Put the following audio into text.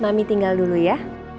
mami tinggal dulu ya